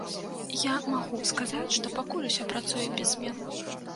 Я магу сказаць, што пакуль усё працуе без змен.